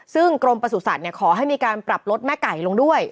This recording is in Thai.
ซึ่งกรมประสุทธิ์ขอให้มีการปรับลดแม่ไก่ลงด้วย